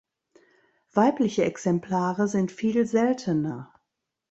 Weibliche Exemplare sind viel seltener.